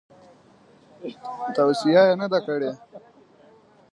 توصیه یې نه ده کړې.